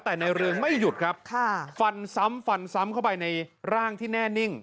แต่ในเรืองไม่หยุดครับค่ะฟันซ้ำฟันซ้ำเข้าไปในร่างที่แน่นิ่ง